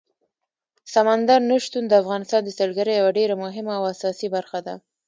سمندر نه شتون د افغانستان د سیلګرۍ یوه ډېره مهمه او اساسي برخه ده.